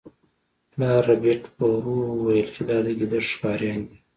پلار ربیټ په ورو وویل چې دا د ګیدړ ښکاریان دي